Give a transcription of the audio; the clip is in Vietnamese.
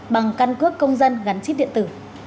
bằng căn cước công dân gắn chip điện tử